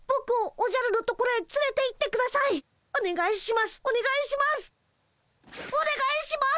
おねがいします！